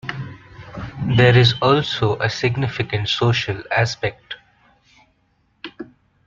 There is also a significant social aspect.